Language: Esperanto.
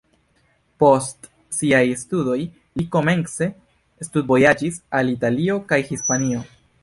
Post siaj studoj li komence studvojaĝis al Italio kaj Hispanio.